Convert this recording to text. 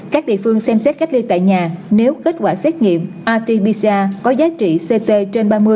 các địa phương xem xét cách ly tại nhà nếu kết quả xét nghiệm atbc có giá trị ct trên ba mươi